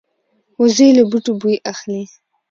وزې له بوټو بوی اخلي